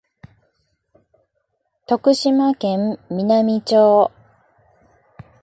徳島県美波町